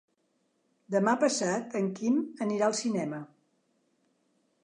Demà passat en Quim anirà al cinema.